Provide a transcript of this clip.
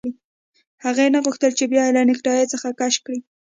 هغه نه غوښتل چې بیا یې له نیکټايي څخه کش کړي